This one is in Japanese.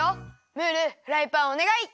ムールフライパンおねがい。